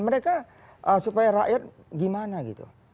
mereka supaya rakyat gimana gitu